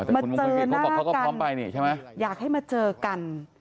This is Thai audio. มาเจอหน้ากันอยากให้มาเจอกันคุณมงคลกิจเขาบอกว่าเขาก็พร้อมไปนี่ใช่ไหม